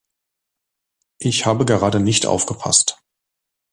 Ich habe gerade nicht aufgepasst.